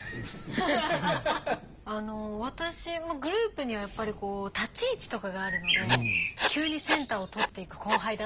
私グループにはやっぱり立ち位置とかがあるので急にセンターを取っていく後輩だったりとかいて。